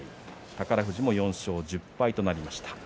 宝富士も４勝１０敗となりました。